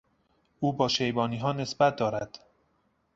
او با شیبانیها نسبت دارد.